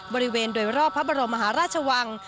บริเวณโดยรอบพระบรมมหาราชวัง